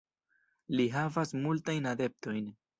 Li havas multajn adeptojn.